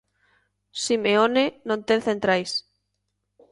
Simeone non ten centrais.